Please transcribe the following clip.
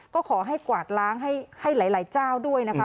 ก็ขอให้กวาดล้างให้หลายเจ้าด้วยนะคะ